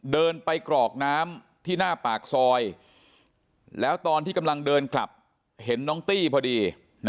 เดินไปกรอกน้ำที่หน้าปากซอยแล้วตอนที่กำลังเดินกลับเห็นน้องตี้พอดี